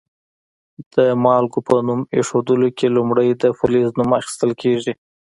د مالګو په نوم ایښودلو کې لومړی د فلز نوم اخیستل کیږي.